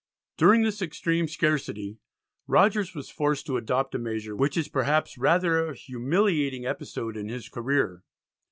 During this extreme scarcity, Rogers was forced to adopt a measure which is perhaps rather a humiliating episode in his career.